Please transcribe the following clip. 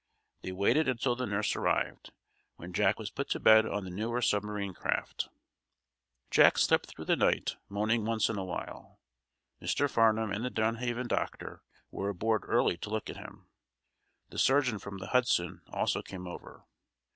They waited until the nurse arrived, when Jack was put to bed on the newer submarine craft. Jack slept through the night, moaning once in a while. Mr. Farnum and the Dunhaven doctor were aboard early to look at him. The surgeon from the "Hudson" also came over.